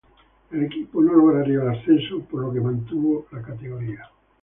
Sin embargo el equipo no lograría el ascenso por lo que mantuvo su categoría.